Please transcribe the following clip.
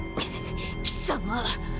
貴様。